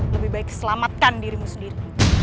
lebih baik selamatkan dirimu sendiri